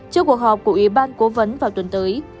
trước cuộc họp của ủy ban cố vấn vào tuần tới